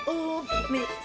umi senang banget